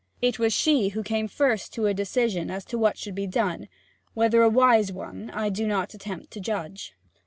It was she who came first to a decision as to what should be done whether a wise one I do not attempt to judge.